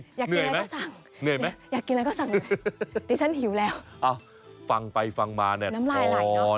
เหนื่อยไหมอยากกินอะไรก็สั่งเดี๋ยวฉันหิวแล้วอ้าวฟังไปฟังมาเนี่ยน้ำลายหลาย